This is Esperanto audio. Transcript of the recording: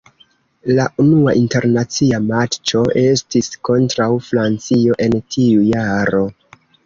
La unua internacia matĉo estis kontraŭ Francio en tiu jaro.